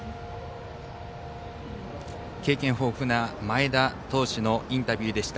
経験豊富な前田投手のインタビューでした。